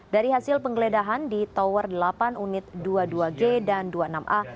dari hasil penggeledahan di tower delapan unit dua puluh dua g dan dua puluh enam a